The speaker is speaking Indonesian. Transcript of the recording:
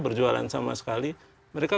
berjualan sama sekali mereka